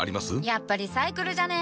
やっぱリサイクルじゃね？